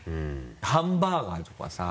ハンバーガーとかさ。